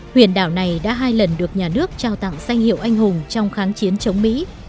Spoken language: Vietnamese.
huyền đảo này đã hai lần được nhà nước trao tặng danh hiệu anh hùng trong kháng chiến chống mỹ